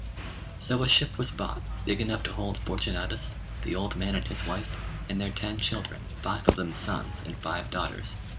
So a ship was bought big enough to hold Fortunatus, the old man and his wife, and their ten children five of them sons and five daughters.